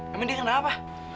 emang dia kena apa